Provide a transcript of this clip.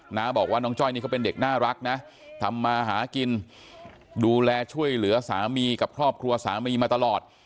น้าบอกว่าน้องจ้อยนี่เขาเป็นเด็กน่ารักนะทำมาหากินดูแลช่วยเหลือสามีกับครอบครัวสามีมาตลอด